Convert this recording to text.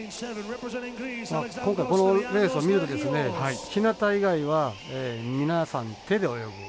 今回このレースを見るとですね日向以外は皆さん手で泳ぐ。